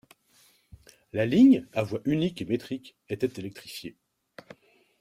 La ligne, à voie unique et métrique, était électrifiée.